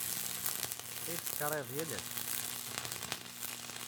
Ad iyi-d-tessakayeḍ yal ass?